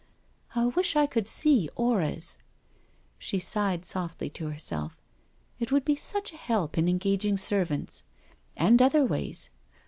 I wish I could see auras I "— she sighed softly to herself —" it would be such a help in engaging servants — ^and other ways.